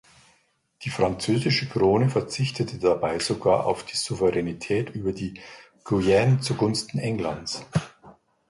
Die französische Krone verzichtete dabei sogar auf die Souveränität über die Guyenne zugunsten Englands.